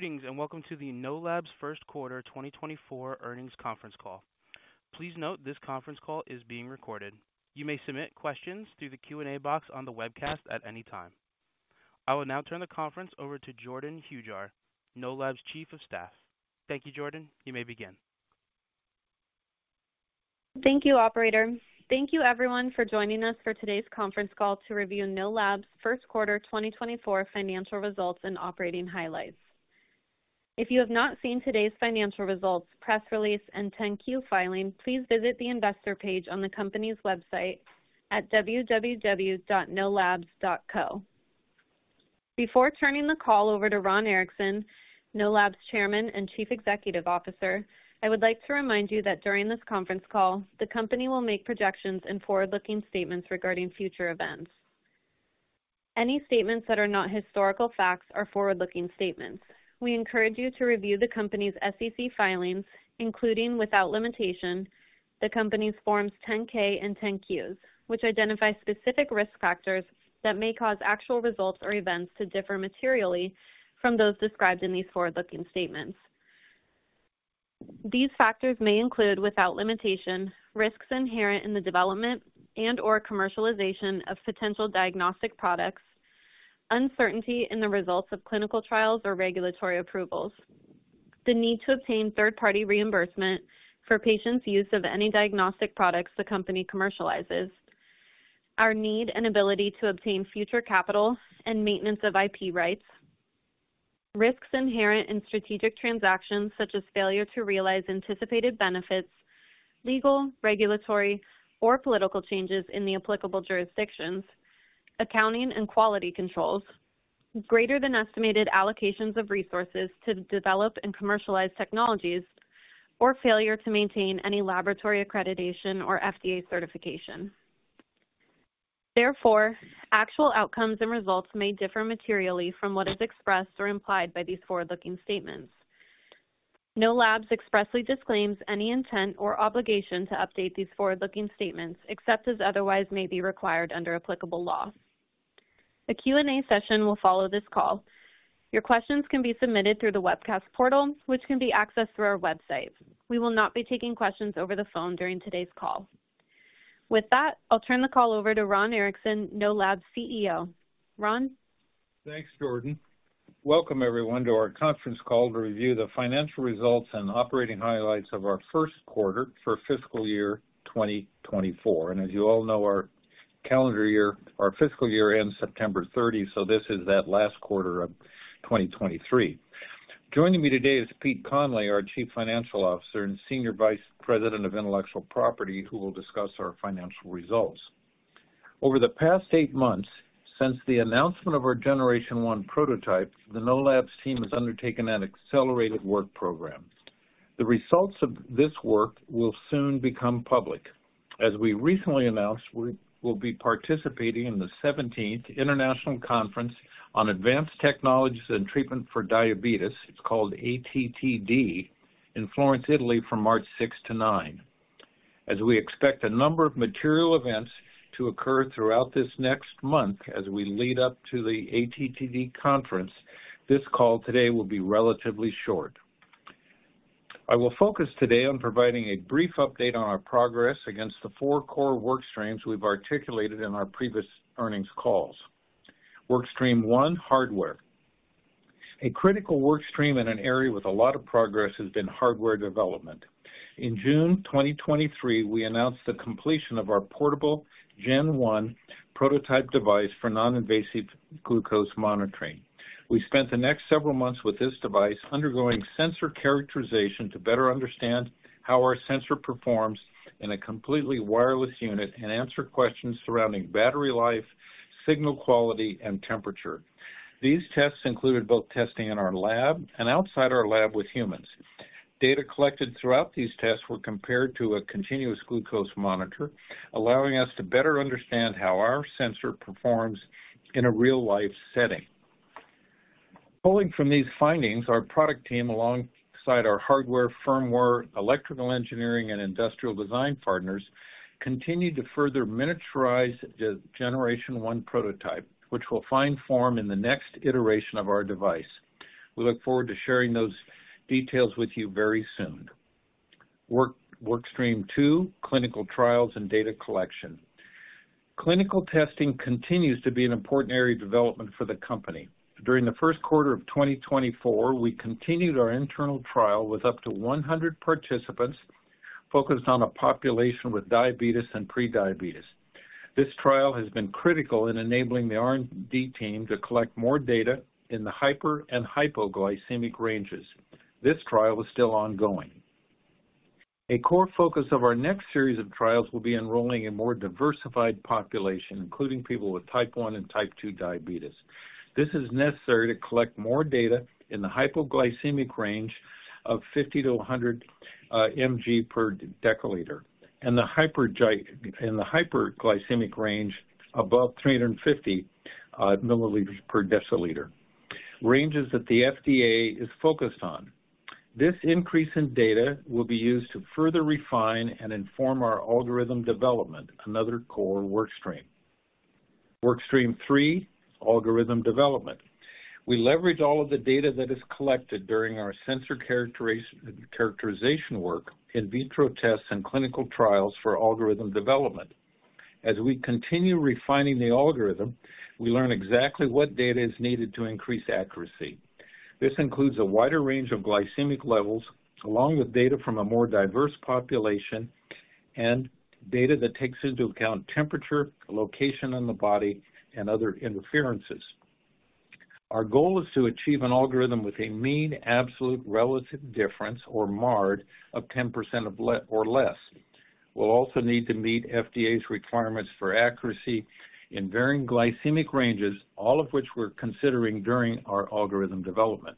Greetings, and welcome to the Know Labs first quarter 2024 earnings conference call. Please note, this conference call is being recorded. You may submit questions through the Q&A box on the webcast at any time. I will now turn the conference over to Jordyn Hujar, Know Labs Chief of Staff. Thank you, Jordyn. You may begin. Thank you, operator. Thank you everyone for joining us for today's conference call to review Know Labs' first quarter 2024 financial results and operating highlights. If you have not seen today's financial results, press release, and 10-Q filing, please visit the investor page on the company's website at www.knowlabs.co. Before turning the call over to Ron Erickson, Know Labs Chairman and Chief Executive Officer, I would like to remind you that during this conference call, the company will make projections and forward-looking statements regarding future events. Any statements that are not historical facts are forward-looking statements. We encourage you to review the company's SEC filings, including, without limitation, the company's Forms 10-K and 10-Qs, which identify specific risk factors that may cause actual results or events to differ materially from those described in these forward-looking statements. These factors may include, without limitation, risks inherent in the development and/or commercialization of potential diagnostic products, uncertainty in the results of clinical trials or regulatory approvals, the need to obtain third-party reimbursement for patients' use of any diagnostic products the company commercializes, our need and ability to obtain future capital and maintenance of IP rights, risks inherent in strategic transactions, such as failure to realize anticipated benefits, legal, regulatory, or political changes in the applicable jurisdictions, accounting and quality controls, greater than estimated allocations of resources to develop and commercialize technologies, or failure to maintain any laboratory accreditation or FDA certification. Therefore, actual outcomes and results may differ materially from what is expressed or implied by these forward-looking statements. Know Labs expressly disclaims any intent or obligation to update these forward-looking statements, except as otherwise may be required under applicable law. A Q&A session will follow this call. Your questions can be submitted through the webcast portal, which can be accessed through our website. We will not be taking questions over the phone during today's call. With that, I'll turn the call over to Ron Erickson, Know Labs CEO. Ron? Thanks, Jordyn. Welcome everyone to our conference call to review the financial results and operating highlights of our first quarter for fiscal year 2024. As you all know, our calendar year—our fiscal year ends September 30, so this is that last quarter of 2023. Joining me today is Pete Conley, our Chief Financial Officer and Senior Vice President of Intellectual Property, who will discuss our financial results. Over the past eight months, since the announcement of our Generation One prototype, the Know Labs team has undertaken an accelerated work program. The results of this work will soon become public. As we recently announced, we will be participating in the 17th International Conference on Advanced Technologies and Treatments for Diabetes. It's called ATTD, in Florence, Italy, from March 6-9. As we expect a number of material events to occur throughout this next month as we lead up to the ATTD conference, this call today will be relatively short. I will focus today on providing a brief update on our progress against the four core work streams we've articulated in our previous earnings calls. Work stream one, hardware. A critical work stream in an area with a lot of progress has been hardware development. In June 2023, we announced the completion of our portable Gen 1 prototype device for non-invasive glucose monitoring. We spent the next several months with this device, undergoing sensor characterization to better understand how our sensor performs in a completely wireless unit and answer questions surrounding battery life, signal quality, and temperature. These tests included both testing in our lab and outside our lab with humans. Data collected throughout these tests were compared to a continuous glucose monitor, allowing us to better understand how our sensor performs in a real-life setting. Pulling from these findings, our product team, alongside our hardware, firmware, electrical engineering, and industrial design partners, continued to further miniaturize the Generation One prototype, which will find form in the next iteration of our device. We look forward to sharing those details with you very soon. Work stream two: clinical trials and data collection. Clinical testing continues to be an important area of development for the company. During the first quarter of 2024, we continued our internal trial with up to 100 participants, focused on a population with diabetes and prediabetes. This trial has been critical in enabling the R&D team to collect more data in the hyperglycemic and hypoglycemic ranges. This trial is still ongoing. A core focus of our next series of trials will be enrolling a more diversified population, including people with Type 1 and Type 2 diabetes. This is necessary to collect more data in the hypoglycemic range of 50-100 mg per deciliter, and the hyperglycemic range above 350 mg per deciliter. Ranges that the FDA is focused on. This increase in data will be used to further refine and inform our algorithm development, another core work stream. Workstream three, algorithm development. We leverage all of the data that is collected during our sensor characterization work, in vitro tests, and clinical trials for algorithm development. As we continue refining the algorithm, we learn exactly what data is needed to increase accuracy. This includes a wider range of glycemic levels, along with data from a more diverse population, and data that takes into account temperature, location in the body, and other interferences. Our goal is to achieve an algorithm with a mean absolute relative difference, or MARD, of 10% or less. We'll also need to meet FDA's requirements for accuracy in varying glycemic ranges, all of which we're considering during our algorithm development.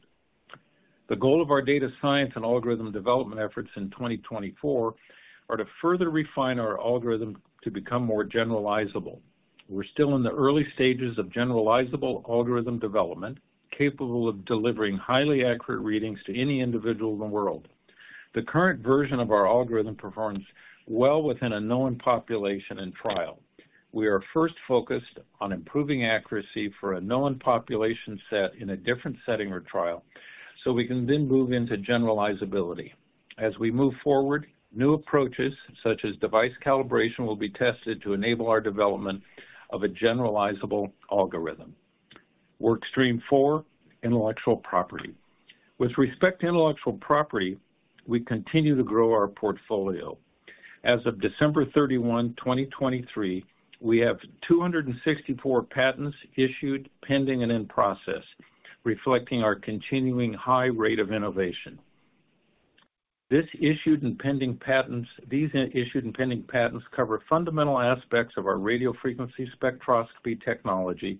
The goal of our data science and algorithm development efforts in 2024 are to further refine our algorithm to become more generalizable. We're still in the early stages of generalizable algorithm development, capable of delivering highly accurate readings to any individual in the world. The current version of our algorithm performs well within a known population and trial. We are first focused on improving accuracy for a known population set in a different setting or trial, so we can then move into generalizability. As we move forward, new approaches, such as device calibration, will be tested to enable our development of a generalizable algorithm. Workstream four, intellectual property. With respect to intellectual property, we continue to grow our portfolio. As of December 31, 2023, we have 264 patents issued, pending, and in process, reflecting our continuing high rate of innovation. These issued and pending patents cover fundamental aspects of our radio frequency spectroscopy technology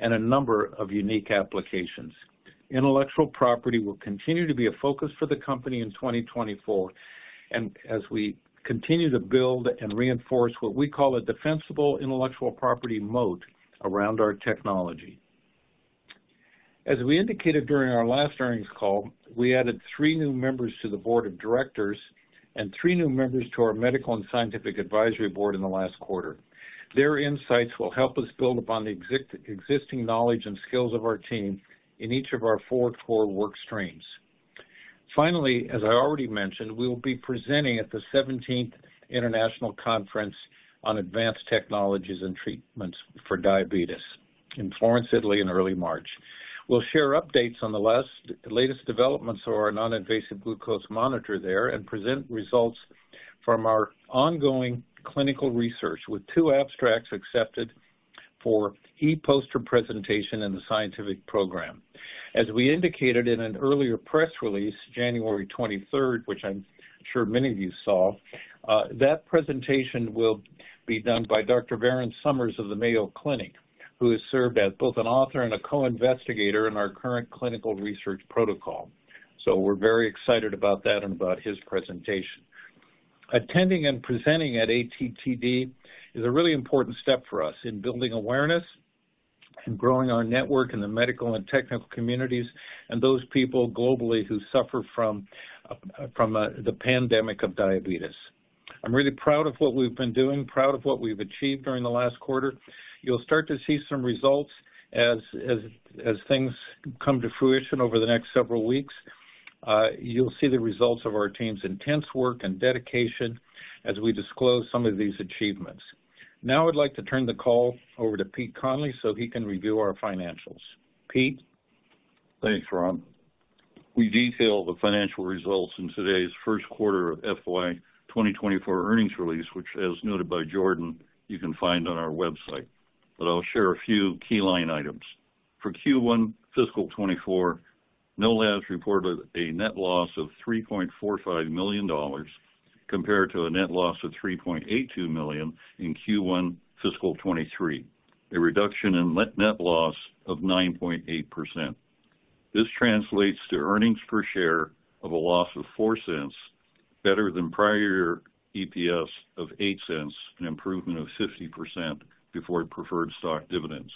and a number of unique applications. Intellectual property will continue to be a focus for the company in 2024, and as we continue to build and reinforce what we call a defensible intellectual property moat around our technology. As we indicated during our last earnings call, we added three new members to the board of directors and three new members to our medical and scientific advisory board in the last quarter. Their insights will help us build upon the existing knowledge and skills of our team in each of our four core workstreams. Finally, as I already mentioned, we will be presenting at the seventeenth International Conference on Advanced Technologies and Treatments for Diabetes in Florence, Italy, in early March. We'll share updates on the latest developments of our non-invasive glucose monitor there and present results from our ongoing clinical research, with two abstracts accepted for e-poster presentation in the scientific program. As we indicated in an earlier press release, January 23, which I'm sure many of you saw, that presentation will be done by Dr. Virend Somers of the Mayo Clinic. Who has served as both an author and a co-investigator in our current clinical research protocol. So we're very excited about that and about his presentation. Attending and presenting at ATTD is a really important step for us in building awareness and growing our network in the medical and technical communities and those people globally who suffer from the pandemic of diabetes. I'm really proud of what we've been doing, proud of what we've achieved during the last quarter. You'll start to see some results as things come to fruition over the next several weeks. You'll see the results of our team's intense work and dedication as we disclose some of these achievements. Now, I'd like to turn the call over to Pete Conley so he can review our financials. Pete? Thanks, Ron. We detailed the financial results in today's first quarter of FY 2024 earnings release, which, as noted by Jordyn, you can find on our website, but I'll share a few key line items. For Q1 fiscal 2024, Know Labs reported a net loss of $3.45 million, compared to a net loss of $3.82 million in Q1 fiscal 2023, a reduction in net loss of 9.8%. This translates to earnings per share of a loss of $0.04, better than prior year EPS of $0.08, an improvement of 50% before preferred stock dividends.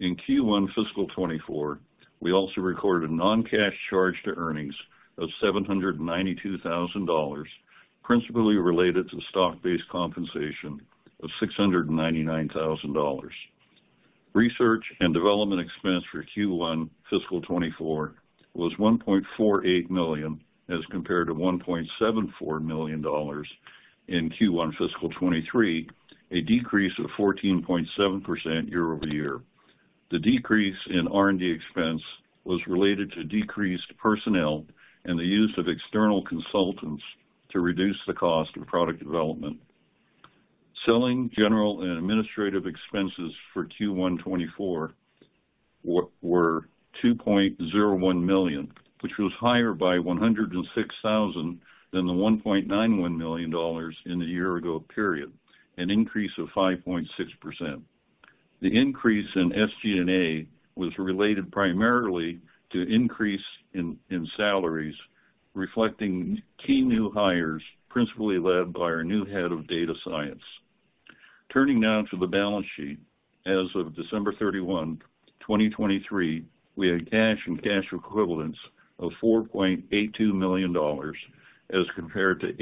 In Q1 fiscal 2024, we also recorded a non-cash charge to earnings of $792 thousand, principally related to stock-based compensation of $699 thousand. Research and development expense for Q1 fiscal 2024 was $1.48 million, as compared to $1.74 million in Q1 fiscal 2023, a decrease of 14.7% year-over-year. The decrease in R&D expense was related to decreased personnel and the use of external consultants to reduce the cost of product development. Selling general and administrative expenses for Q1 2024 were $2.01 million, which was higher by $106,000 than the $1.91 million in the year ago period, an increase of 5.6%. The increase in SG&A was related primarily to increase in salaries, reflecting key new hires, principally led by our new head of data science. Turning now to the balance sheet. As of December 31, 2023. We had cash and cash equivalents of $4.82 million, as compared to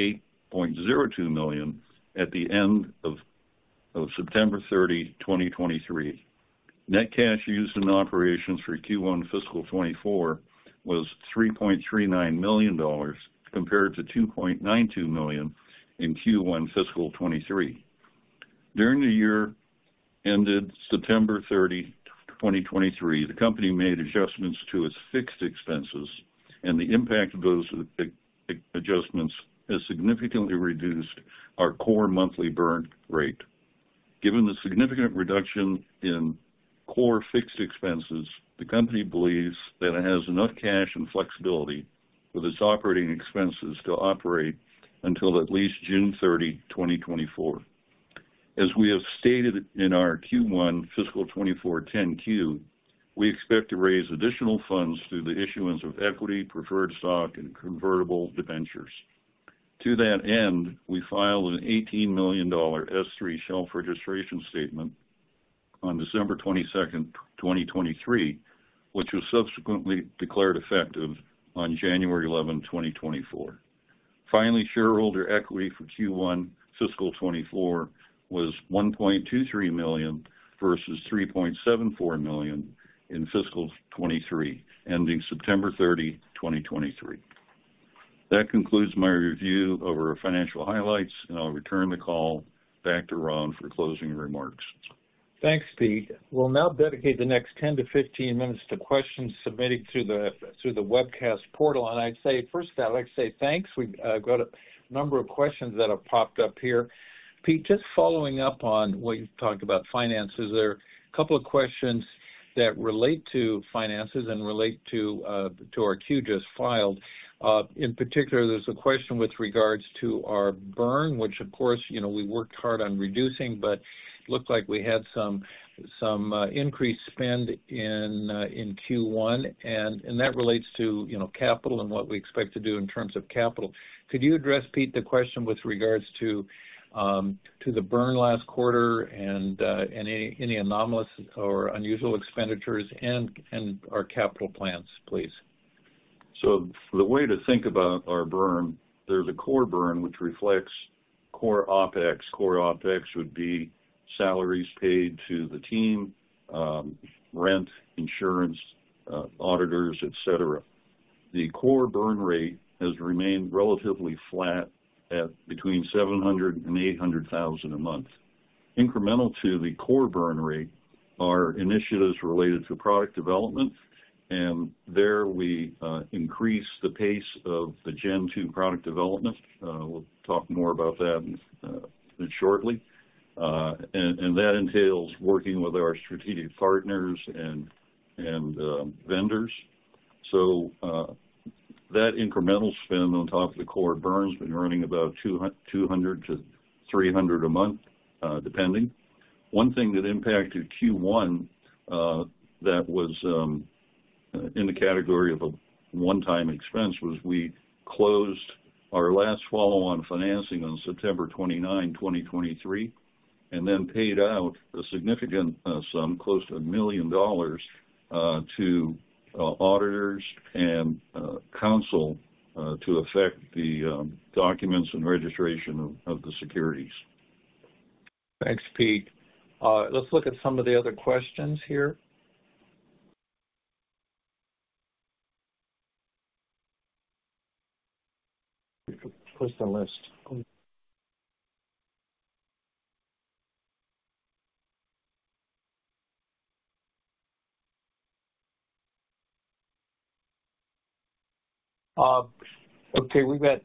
$8.02 million at the end of September 30, 2023. Net cash used in operations for Q1 fiscal 2024 was $3.39 million, compared to $2.92 million in Q1 fiscal 2023. During the year ended September 30, 2023, the company made adjustments to its fixed expenses, and the impact of those adjustments has significantly reduced our core monthly burn rate. Given the significant reduction in core fixed expenses, the company believes that it has enough cash and flexibility with its operating expenses to operate until at least June 30, 2024. As we have stated in our Q1 fiscal 2024 10-Q, we expect to raise additional funds through the issuance of equity, preferred stock, and convertible debentures. To that end, we filed an $18 million S-3 shelf registration statement on December 22, 2023, which was subsequently declared effective on January 11, 2024. Finally, shareholder equity for Q1 fiscal 2024 was $1.23 million versus $3.74 million in fiscal 2023, ending September 30, 2023. That concludes my review over our financial highlights, and I'll return the call back to Ron for closing remarks. Thanks, Pete. We'll now dedicate the next 10-15 minutes to questions submitted through the webcast portal. I'd say, first I'd like to say thanks. We've got a number of questions that have popped up here. Pete, just following up on what you've talked about finances, there are a couple of questions that relate to finances and relate to our Q just filed. In particular, there's a question with regards to our burn, which of course, you know, we worked hard on reducing, but looked like we had some increased spend in Q1, and that relates to, you know, capital and what we expect to do in terms of capital. Could you address, Pete, the question with regards to the burn last quarter and any anomalous or unusual expenditures and our capital plans, please? So the way to think about our burn, there's a core burn, which reflects core OpEx. Core OpEx would be salaries paid to the team, rent, insurance, auditors, et cetera. The core burn rate has remained relatively flat at between $700,000 and $800,000 a month. Incremental to the core burn rate are initiatives related to product development, and there we increase the pace of the Gen 2 product development. We'll talk more about that shortly. And that entails working with our strategic partners and vendors. So that incremental spend on top of the core burn has been running about $200,000-$300,000 a month, depending. One thing that impacted Q1, that was in the category of a one-time expense, was we closed our last follow-on financing on September 29, 2023, and then paid out a significant sum, close to $1 million, to auditors and counsel, to effect the documents and registration of the securities. Thanks, Pete. Let's look at some of the other questions here. Where's the list? Okay, we've got,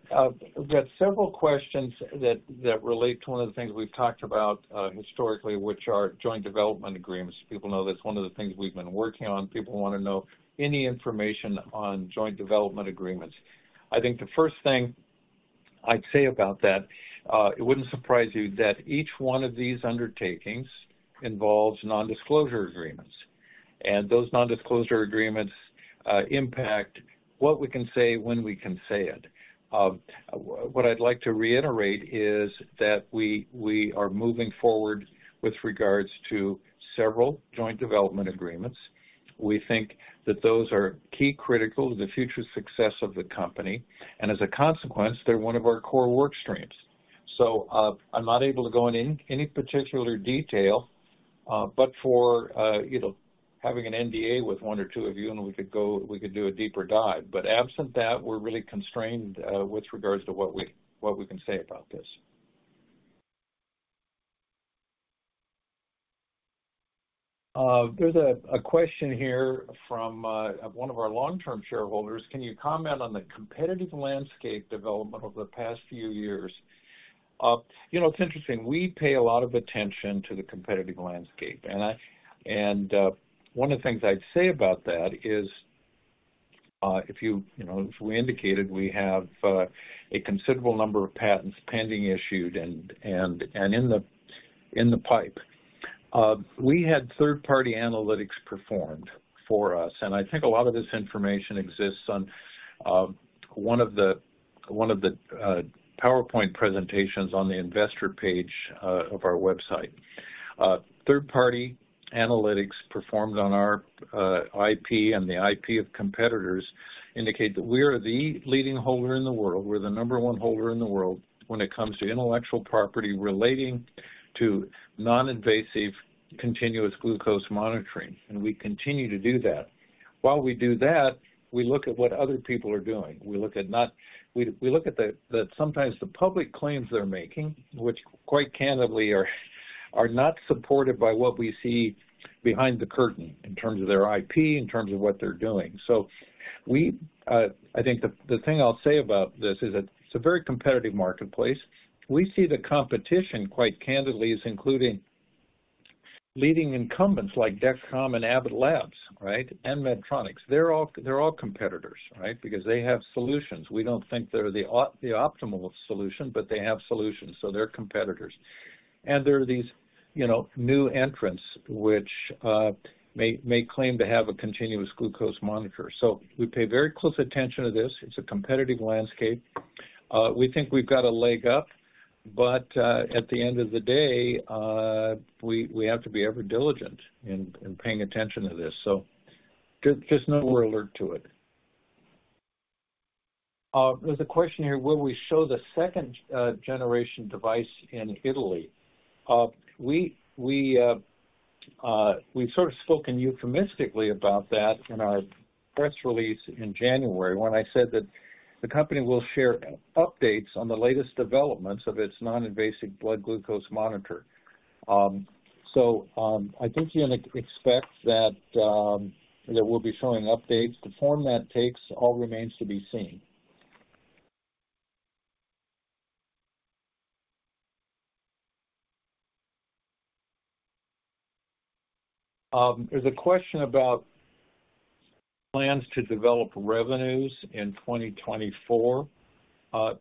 we've got several questions that relate to one of the things we've talked about, historically, which are joint development agreements. People know that's one of the things we've been working on. People want to know any information on joint development agreements. I think the first thing I'd say about that, it wouldn't surprise you that each one of these undertakings involves nondisclosure agreements, and those nondisclosure agreements, impact what we can say, when we can say it. What I'd like to reiterate is that we are moving forward with regards to several joint development agreements. We think that those are key critical to the future success of the company, and as a consequence, they're one of our core work streams. So, I'm not able to go into any particular detail, but for you know, having an NDA with one or two of you, and we could go—we could do a deeper dive. But absent that, we're really constrained with regards to what we can say about this. There's a question here from one of our long-term shareholders: Can you comment on the competitive landscape development over the past few years? You know, it's interesting. We pay a lot of attention to the competitive landscape, and one of the things I'd say about that is, you know, as we indicated, we have a considerable number of patents pending, issued and in the pipe. We had third-party analytics performed for us. I think a lot of this information exists on one of the PowerPoint presentations on the investor page of our website. Third-party analytics performed on our IP and the IP of competitors indicate that we are the leading holder in the world. We're the number one holder in the world when it comes to intellectual property relating to non-invasive, continuous glucose monitoring, and we continue to do that. While we do that, we look at what other people are doing. We look at the sometimes public claims they're making, which quite candidly are not supported by what we see behind the curtain in terms of their IP, in terms of what they're doing. So I think the thing I'll say about this is that it's a very competitive marketplace. We see the competition, quite candidly, as including leading incumbents like Dexcom and Abbott, right? And Medtronic. They're all competitors, right? Because they have solutions. We don't think they're the optimal solution, but they have solutions, so they're competitors. And there are these, you know, new entrants, which may claim to have a continuous glucose monitor. So we pay very close attention to this. It's a competitive landscape. We think we've got a leg up, but at the end of the day, we have to be ever diligent in paying attention to this. So just know we're alert to it. There's a question here: Will we show the second generation device in Italy? We've sort of spoken euphemistically about that in our press release in January, when I said that the company will share updates on the latest developments of its non-invasive blood glucose monitor. I think you can expect that we'll be showing updates. The form that takes all remains to be seen. There's a question about plans to develop revenues in 2024.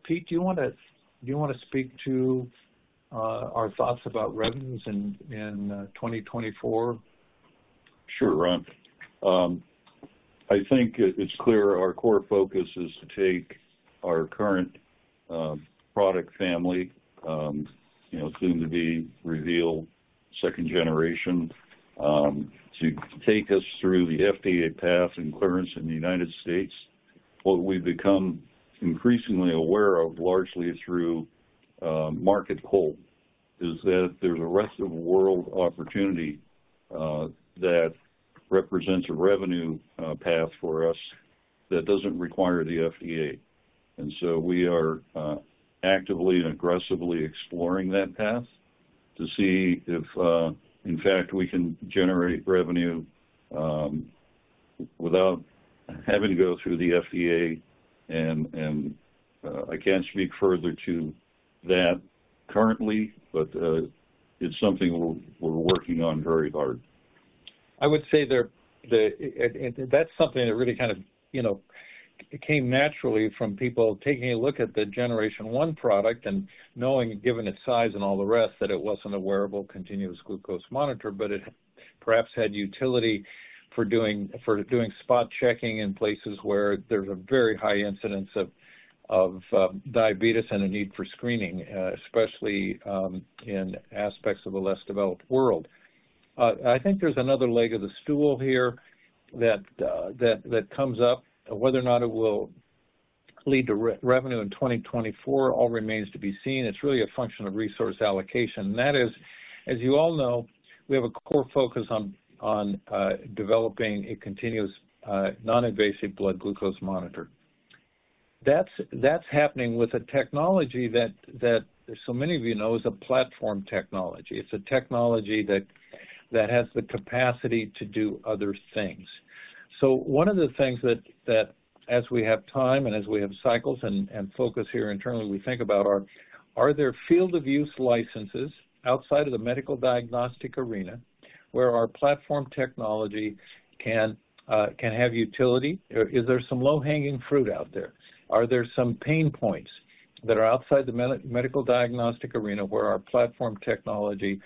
Pete, do you wanna speak to our thoughts about revenues in 2024? Sure, Ron. I think it's clear our core focus is to take our current product family, you know, soon to be revealed second generation, to take us through the FDA path and clearance in the United States. What we've become increasingly aware of, largely through market pull, is that there's a rest-of-the-world opportunity that represents a revenue path for us that doesn't require the FDA. And so we are actively and aggressively exploring that path to see if, in fact, we can generate revenue without having to go through the FDA. And I can't speak further to that currently, but it's something we're working on very hard. I would say there. And that's something that really kind of, you know, came naturally from people taking a look at the Generation One product and knowing, given its size and all the rest, that it wasn't a wearable continuous glucose monitor, but it perhaps had utility for doing spot checking in places where there's a very high incidence of diabetes and a need for screening, especially in aspects of a less developed world. I think there's another leg of the stool here that comes up. Whether or not it will lead to revenue in 2024, all remains to be seen. It's really a function of resource allocation, and that is, as you all know, we have a core focus on developing a continuous non-invasive blood glucose monitor. That's happening with a technology that so many of you know is a platform technology. It's a technology that has the capacity to do other things. So one of the things that, as we have time and as we have cycles and focus here internally, we think about are: Are there field of use licenses outside of the medical diagnostic arena where our platform technology can have utility? Or is there some low-hanging fruit out there? Are there some pain points that are outside the medical diagnostic arena where our platform technology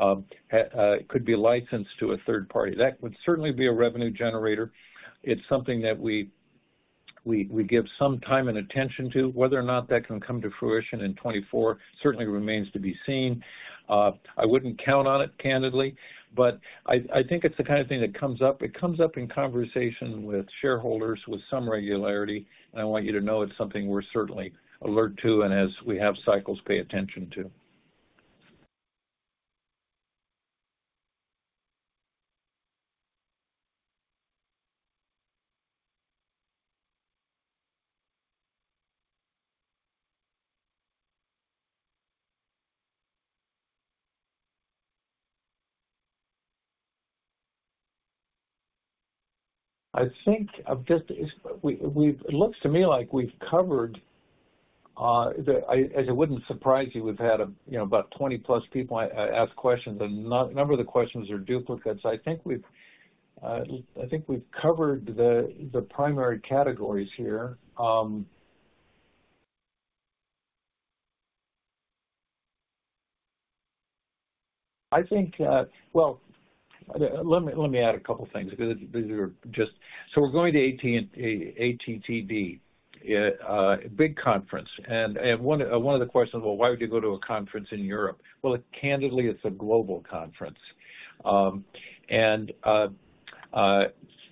could be licensed to a third party? That would certainly be a revenue generator. It's something that we give some time and attention to. Whether or not that can come to fruition in 2024, certainly remains to be seen. I wouldn't count on it, candidly, but I, I think it's the kind of thing that comes up. It comes up in conversation with shareholders with some regularity, and I want you to know it's something we're certainly alert to, and as we have cycles, pay attention to. I think we've just—we've covered it looks to me like we've covered, the as it wouldn't surprise you, we've had, you know, about 20+ people ask questions, and a number of the questions are duplicates. I think we've, I think we've covered the the primary categories here. I think, well, let me add a couple of things because these are just— So we're going to ATTD, a big conference. And one of the questions, well, why would you go to a conference in Europe? Well, candidly, it's a global conference.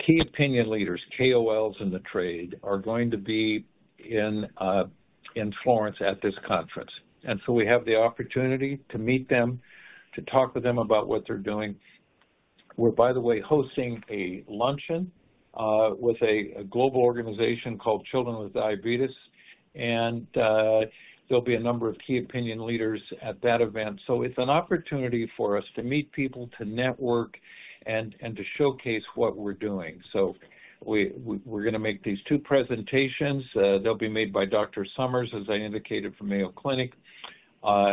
Key opinion leaders, KOLs in the trade, are going to be in Florence at this conference. And so we have the opportunity to meet them, to talk with them about what they're doing. We're, by the way, hosting a luncheon with a global organization called Children with Diabetes, and there'll be a number of key opinion leaders at that event. So it's an opportunity for us to meet people, to network, and to showcase what we're doing. So we're gonna make these two presentations. They'll be made by Dr. Somers, as I indicated, from Mayo Clinic.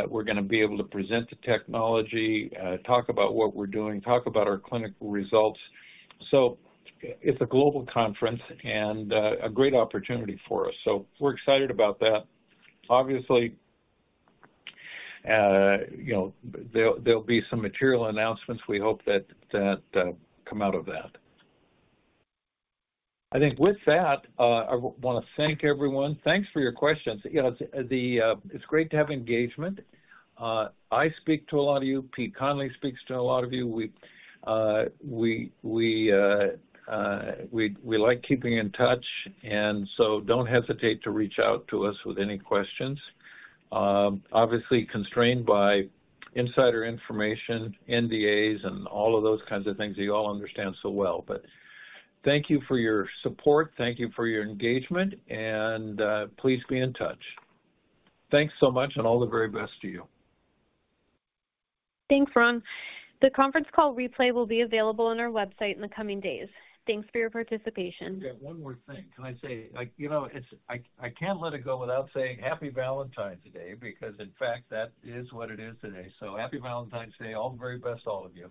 We're gonna be able to present the technology, talk about what we're doing, talk about our clinical results. So it's a global conference and a great opportunity for us. So we're excited about that. Obviously, you know, there'll be some material announcements we hope that come out of that. I think with that, I wanna thank everyone. Thanks for your questions. You know, it's great to have engagement. I speak to a lot of you, Pete Conley speaks to a lot of you. We like keeping in touch, and so don't hesitate to reach out to us with any questions. Obviously constrained by insider information, NDAs, and all of those kinds of things you all understand so well. But thank you for your support, thank you for your engagement, and please be in touch. Thanks so much, and all the very best to you. Thanks, Ron. The conference call replay will be available on our website in the coming days. Thanks for your participation. Yeah, one more thing. Can I say, like, you know, it's, I can't let it go without saying Happy Valentine's Day, because in fact, that is what it is today. So Happy Valentine's Day. All the very best to all of you.